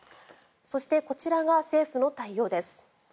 そして、こちらが政府の対応です。